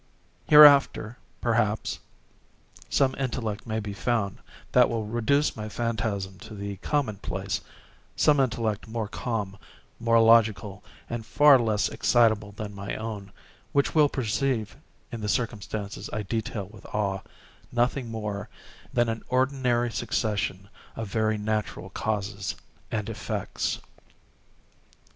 Hereafter, perhaps, some intellect may be found which will reduce my phantasm to the common place—some intellect more calm, more logical, and far less excitable than my own, which will perceive, in the circumstances I detail with awe, nothing more than an ordinary succession of very natural causes and effects.